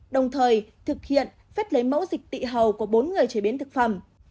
đồng thời thực hiện phép lấy mẫu dịch tị hầu của bốn người chế biến thực phẩm